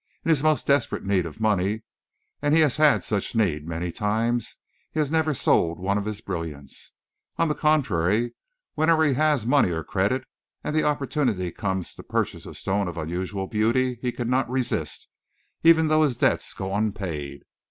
In his most desperate need of money and he has had such need many times he has never sold one of his brilliants. On the contrary, whenever he has money or credit, and the opportunity comes to purchase a stone of unusual beauty, he cannot resist, even though his debts go unpaid.